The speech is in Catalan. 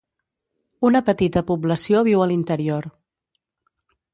Una petita població viu a l'interior.